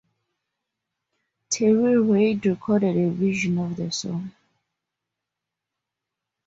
Terry Reid recorded a version of the song.